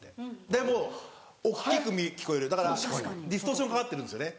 でも大っきく聞こえるディストーションかかってるんですよね。